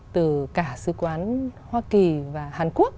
từ cả sứ quán hoa kỳ và hàn quốc